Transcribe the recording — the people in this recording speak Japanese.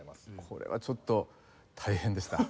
これはちょっと大変でした。